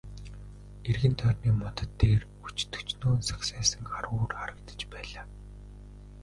Эргэн тойрны модод дээр өч төчнөөн сагсайсан хар үүр харагдаж байлаа.